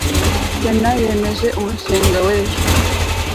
sena yemeje umushinga w'ejo